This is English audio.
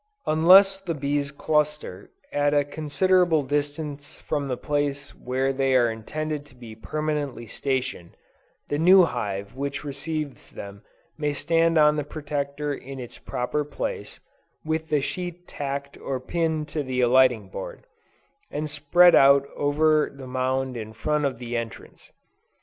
Unless the bees cluster at a considerable distance from the place where they are intended to be permanently stationed, the new hive which receives them may stand on the Protector in its proper place, with the sheet tacked or pinned to the alighting board, and spread out over the mound in front of the entrance.